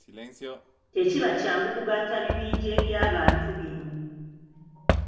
Tekiba kyangu kugatta bibinja eby’abantu bino.